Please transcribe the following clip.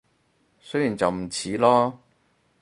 雖然就唔似囉